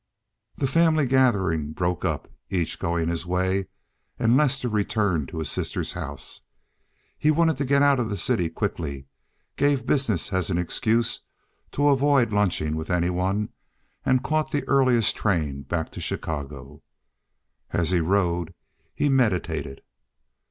The family gathering broke up, each going his way, and Lester returned to his sister's house. He wanted to get out of the city quickly, gave business as an excuse to avoid lunching with any one, and caught the earliest train back to Chicago. As he rode he meditated.